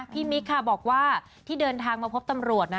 มิคค่ะบอกว่าที่เดินทางมาพบตำรวจนะ